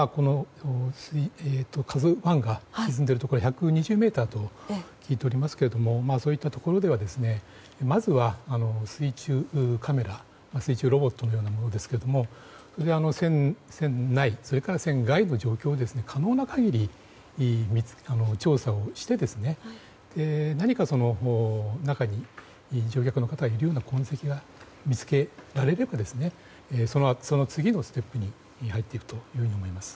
「ＫＡＺＵ１」が沈んでいるところは１２０ｍと聞いておりますがそういったところではまずは、水中カメラ水中ロボットのようなものですが船内、船外の状況を可能な限り調査をして中に乗客の方がいるような痕跡が見つけられればその次のステップに入っていくと思います。